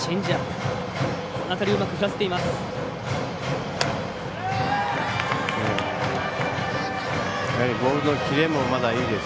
この辺りをうまく振らせています。